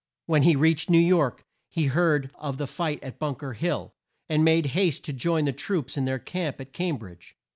When he reached New York he heard of the fight at Bunk er Hill, and made haste to join the troops in their camp at Cam bridge.